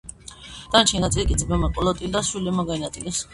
დანარჩენი ნაწილი კი ძმებმა, კლოტილდას შვილებმა, გაინაწილეს.